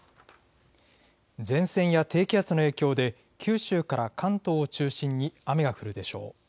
前線や低気圧の影響で九州から関東を中心に雨が降るでしょう。